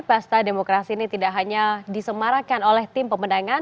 pesta demokrasi ini tidak hanya disemarakan oleh tim pemenangan